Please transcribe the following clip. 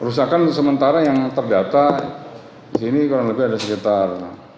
perusakan sementara yang terdata disini kurang lebih ada sekitar